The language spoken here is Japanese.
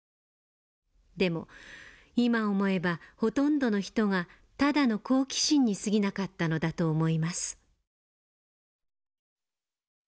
でも今思えばほとんどの人がただの好奇心にすぎなかったのだと思います」。